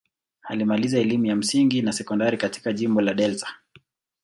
Alimaliza elimu ya msingi na sekondari katika jimbo la Delta.